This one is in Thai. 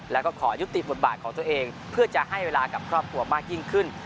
แล้วก็ขอยุติบทบาทของตัวเองเพื่อจะให้เวลากับครอบครัวมากยิ่งขึ้น